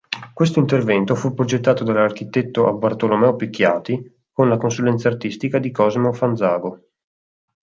Questo intervento fu progettato dall'architetto Bartolomeo Picchiatti con la consulenza artistica di Cosimo Fanzago.